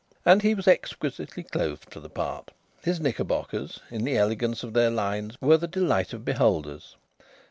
And he was exquisitely clothed for the part. His knickerbockers, in the elegance of their lines, were the delight of beholders.